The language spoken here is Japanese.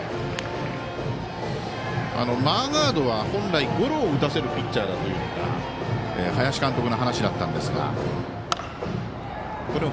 マーガードは本来ゴロを打たせるピッチャーだというのが林監督の話だったんですが。